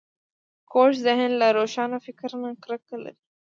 کوږ ذهن له روښان فکر نه کرکه لري